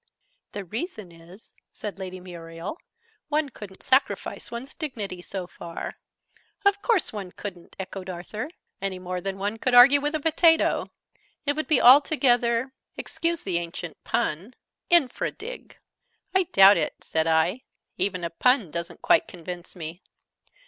"The reason is," said Lady Muriel, "one couldn't sacrifice one's dignity so far." "Of course one couldn't!" echoed Arthur. "Any more than one could argue with a potato. It would be altogether excuse the ancient pun infra dig.!" "I doubt it," said I. "Even a pun doesn't quite convince me."